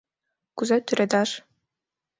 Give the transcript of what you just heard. — Кузе тӱредаш?